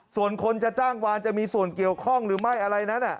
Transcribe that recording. ส่วนคนจะจ้างวานจะมีส่วนเกี่ยวข้องหรือไม่อะไรนั้น